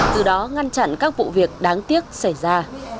từ đó ngăn chặn các vụ việc đáng tiếc xảy ra